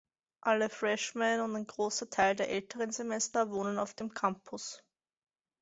Alle Freshmen und ein großer Teil der älteren Semester wohnen auf dem Campus.